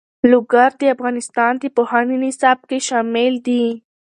لوگر د افغانستان د پوهنې نصاب کې شامل دي.